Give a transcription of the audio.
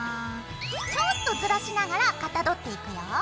ちょっとずらしながらかたどっていくよ。